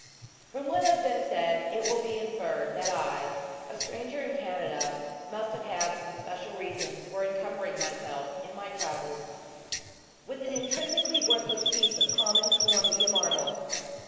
From what has been said, it will be inferred that I a stranger in Canada must have had some special reason for incumbering myself in my travels with an intrinsically worthless piece of common Columbia marble.